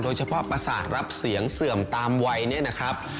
ประสาทรับเสียงเสื่อมตามวัยเนี่ยนะครับ